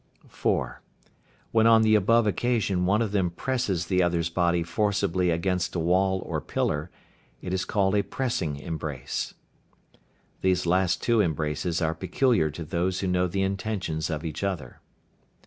(4). When on the above occasion one of them presses the other's body forcibly against a wall or pillar, it is called a "pressing embrace." These two last embraces are peculiar to those who know the intentions of each other.